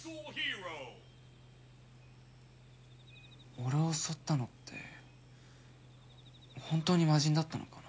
俺を襲ったのって本当に魔人だったのかな？